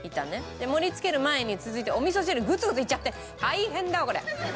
で盛り付ける前に続いてお味噌汁グツグツいっちゃって大変だわこれ。